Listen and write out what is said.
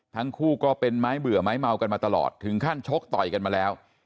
ทั้งคู่ก็เป็นไม้เบื่อไม้เมากันมาตลอดถึงขั้นชกต่อยกันมาแล้ว